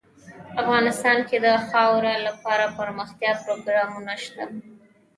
افغانستان کې د خاوره لپاره دپرمختیا پروګرامونه شته.